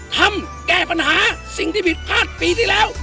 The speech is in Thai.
ทำแก้ปัญหาสิ่งที่ผิดพลาดปีที่แล้ว